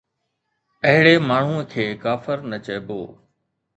اهڙي ماڻهوءَ کي ڪافر نه چئبو